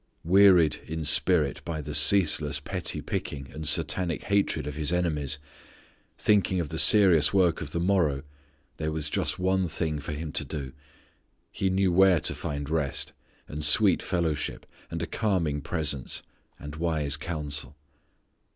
Wearied in spirit by the ceaseless petty picking and Satanic hatred of His enemies, thinking of the serious work of the morrow, there was just one thing for Him to do. He knew where to find rest, and sweet fellowship, and a calming presence, and wise counsel.